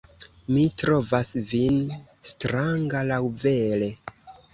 Mi trovas vin stranga, laŭvere!